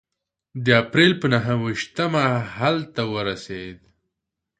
د اپرېل په نهه ویشتمه هلته ورسېد.